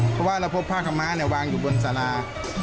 เพราะว่าเราพบผ้าคำม้าวางอยู่บนสารา